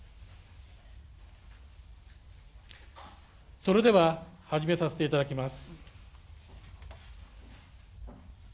それでは始めさせていただきます。